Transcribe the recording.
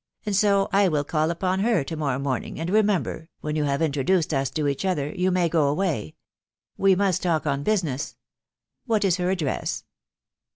•.. and so I will call upon her to morrow moating, and remember, when yon have intro*. duced us to each other, you may go away ; we must talk on business. What is her address